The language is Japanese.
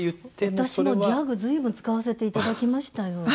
私もギャグ随分使わせて頂きましたよ。